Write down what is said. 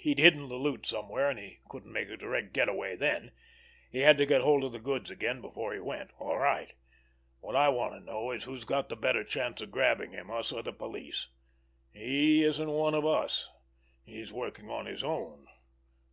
He'd hidden the loot somewhere, and he couldn't make a direct get away then. He had to get hold of the goods again before he went. All right! What I want to know is who's got the better chance of grabbing him—us or the police? He isn't one of us. He's working on his own.